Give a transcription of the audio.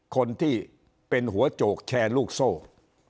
คนที่เป็นหัวโจกแชร์ลูกโซ่